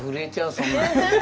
そんなの。